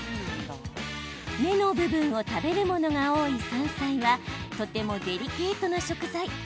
芽の部分を食べるものが多い山菜はとてもデリケートな食材。